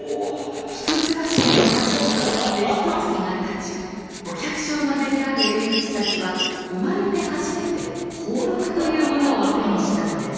一橋家の家臣となってひとつきがたちお百姓の出である栄一たちは生まれて初めて俸禄というものを手にしたのです。